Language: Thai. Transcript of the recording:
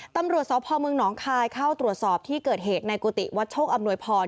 ตำรวจสพเมืองหนองคายเข้าตรวจสอบที่เกิดเหตุในกุฏิวัดโชคอำนวยพร